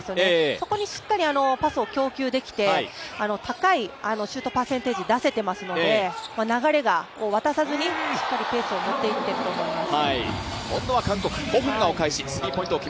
そこにしっかりパスを供給できて高いシュートパーセンテージ出せてますので流れが渡さずに、しっかりペースを持っていけていると思います。